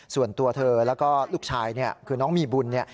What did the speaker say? ส่วนตัวเธอแล้วก็ลูกชายคือน้องมีบุญ